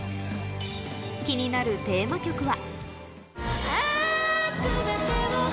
気になるテーマ曲は。